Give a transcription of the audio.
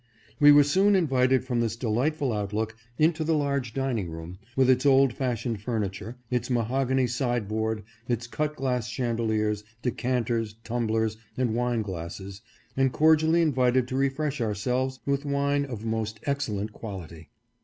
We were soon invited from this delightful outlook into the large dining room, with its old fashioned furniture, its mahogany side board, its cut glass chandeliers, decan ters, tumblers, and wine glasses, and cordially invited to refresh ourselves with wine of most excellent quality.